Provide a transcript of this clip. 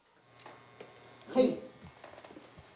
はい。